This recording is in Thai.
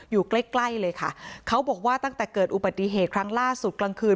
อยู่ใกล้ใกล้เลยค่ะเขาบอกว่าตั้งแต่เกิดอุบัติเหตุครั้งล่าสุดกลางคืน